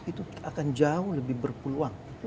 itu akan jauh lebih berpeluang